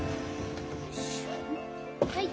はい。